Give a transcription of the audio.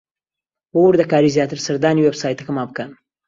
بۆ وردەکاریی زیاتر سەردانی وێبسایتەکەمان بکەن.